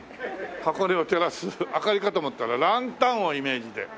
箱根を照らす明かりかと思ったらランタンをイメージで。